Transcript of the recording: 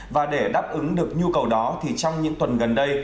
và để đáp ứng được nhu cầu đó thì trong những tuần gần đây